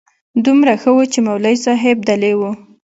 دومره ښه و چې مولوي صاحب دلې و.